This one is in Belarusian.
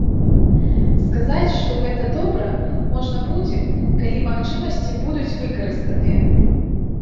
Сказаць, што гэта добра, можна будзе, калі магчымасці будуць выкарыстаныя.